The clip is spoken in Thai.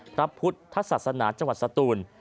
พระพุทธศาสนาจังหวัดสตูน